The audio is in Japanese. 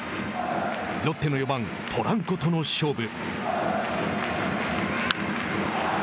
ロッテの４番ポランコとの勝負。